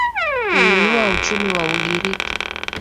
uinua uchumi wa ugiriki